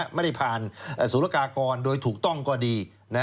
ไม่ได้ผ่านศูนยากากรโดยถูกต้องก็ดี